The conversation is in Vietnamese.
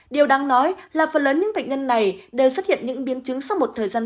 điều đáng nói là phần lớn những bệnh nhân này đều xuất hiện những biến chứng sau một thời gian dài